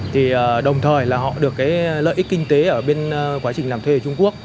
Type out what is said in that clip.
thì đồng thời là họ được cái lợi ích kinh tế ở bên quá trình làm thuê ở trung quốc